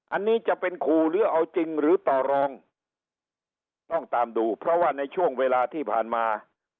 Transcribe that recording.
อันนี้จะเป็นขู่หรือเอาจริงหรือต่อรองต้องตามดูเพราะว่าในช่วงเวลาที่ผ่านมา